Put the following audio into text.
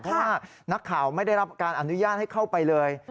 เพราะว่านักข่าวไม่ได้รับการอนุญาตให้เข้าไปเลย